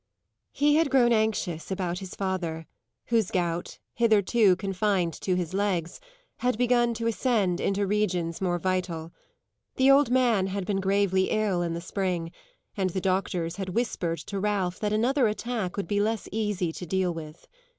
He had grown anxious about his father, whose gout, hitherto confined to his legs, had begun to ascend into regions more vital. The old man had been gravely ill in the spring, and the doctors had whispered to Ralph that another attack would be less easy to deal with.